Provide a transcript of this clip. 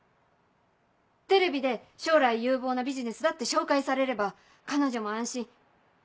テレビで将来有望なビジネスだって紹介されれば彼女も安心。